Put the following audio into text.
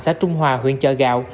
xã trung hòa huyện chợ gạo